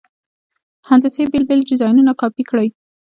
هندسي بېل بېل ډیزاینونه کاپي کړئ.